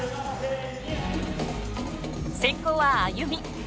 先攻はＡＹＵＭＩ。